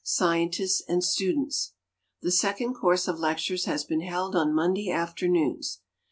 scientists and students. The second course of lectures has been held on Monday afternoons.